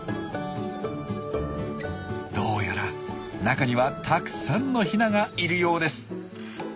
どうやら中にはたくさんのヒナがいるようです。